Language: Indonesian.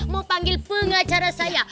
mau panggil pengacara saya